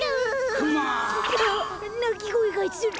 ・クマッ！あっなきごえがする！